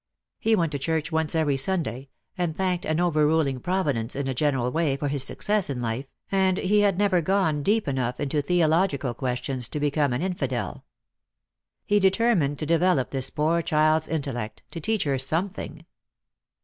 He went to church once every Sunday, and thanked an overruling Providence in a general way for his success in life, and he had never gone deep enough into theological questions to become an infidel. He determined to develop this poor child's intellect, to teach her something.